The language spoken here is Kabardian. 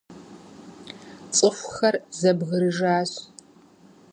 ЦӀыхухэр зэбгрыжащ.